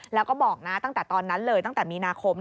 แล้วก็บอกนะตั้งแต่ตอนนั้นเลยตั้งแต่มีนาคม